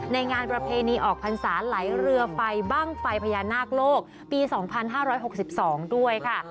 งานประเพณีออกพรรษาไหลเรือไฟบ้างไฟพญานาคโลกปี๒๕๖๒ด้วยค่ะ